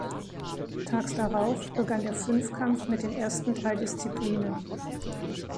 Tags darauf begann der Fünfkampf mit den ersten drei Disziplinen.